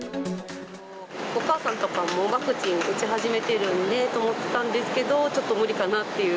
お母さんとかもワクチン打ち始めているんでと思ったんですけど、ちょっと無理かなっていう。